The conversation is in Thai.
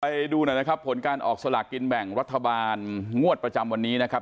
ไปดูหน่อยนะครับผลการออกสลากกินแบ่งรัฐบาลงวดประจำวันนี้นะครับ